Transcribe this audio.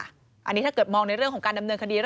อันนี้ถ้าเกิดมองในเรื่องของการดำเนินคดี